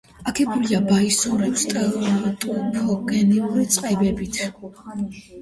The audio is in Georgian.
აგებულია ბაიოსური ტუფოგენური წყებებით.